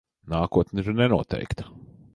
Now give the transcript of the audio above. Nākotne ir nenoteikta.